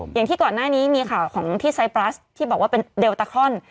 อย่างที่ก่อนหน้านี้มีข่าวของที่ไซปรัสที่บอกว่าเป็นเดลตาครอน